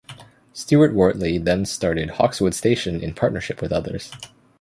Stuart-Wortley then started Hawkeswood Station in partnership with others.